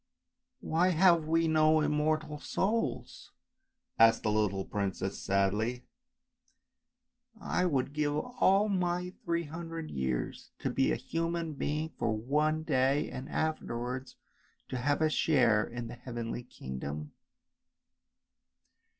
" Why have we no immortal souls? " asked the little mer maid sadly. " I would give all my three hundred years to be a human being for one day, and afterwards to have a share in the heavenly kingdom."